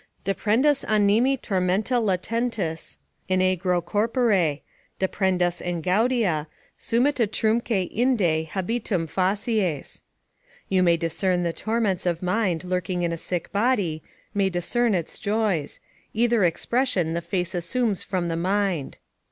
"Deprendas animi tormenta latentis in aegro Corpore; deprendas et gaudia; sumit utrumque Inde habitum facies." ["You may discern the torments of mind lurking in a sick body; you may discern its joys: either expression the face assumes from the mind."